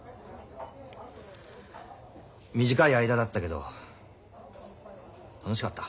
短い間だったけど楽しかった。